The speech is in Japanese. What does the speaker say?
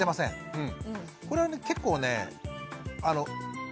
うん。